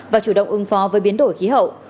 và chủ động ứng phó với biến đổi khí hậu